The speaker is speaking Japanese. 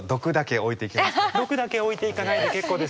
毒だけ置いて行かないで結構ですよ。